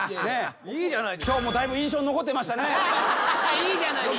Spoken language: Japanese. いいじゃないですか。